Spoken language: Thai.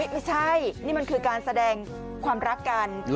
ไม่ใช่นี่มันคือการแสดงความรักกัน